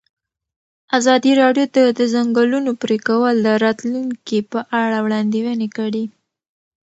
ازادي راډیو د د ځنګلونو پرېکول د راتلونکې په اړه وړاندوینې کړې.